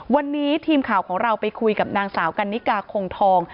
วันนี้ทีมข่าวของเราไปคุยกับนางสาวกันนิกาคงทอง